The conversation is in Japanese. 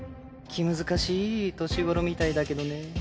気難しい年頃みたいだけどね。